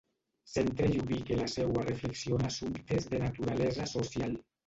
Centre i ubique la seua reflexió en assumptes de naturalesa social.